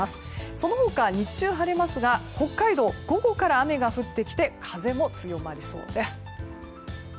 その他、日中晴れますが北海道は午後から雨が降ってきて風も強まりそうです。